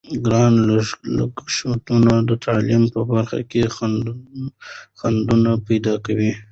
ګران لګښتونه د تعلیم په برخه کې خنډونه پیدا کوي.